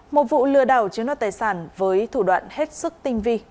một vụ lừa đảo chiếm đoạt tài sản với thủ đoạn hết sức tinh vi